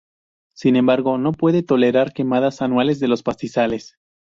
Sin embargo no puede tolerar quemadas anuales de los pastizales.